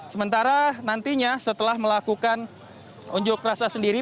sementara nantinya setelah melakukan unjuk rasa sendiri